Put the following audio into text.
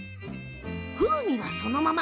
風味は、そのまま。